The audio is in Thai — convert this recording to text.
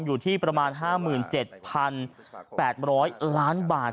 อยู่ที่ประมาณ๕๗๘๐๐ล้านบาท